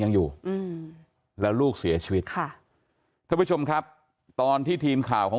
ยังอยู่อืมแล้วลูกเสียชีวิตค่ะท่านผู้ชมครับตอนที่ทีมข่าวของ